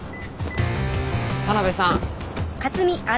田辺さん。